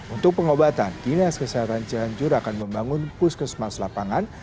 untuk pengobatan dinas kesehatan cianjur akan membangun puskesmas lapangan